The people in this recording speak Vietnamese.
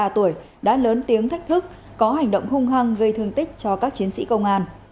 ba mươi tuổi đã lớn tiếng thách thức có hành động hung hăng gây thương tích cho các chiến sĩ công an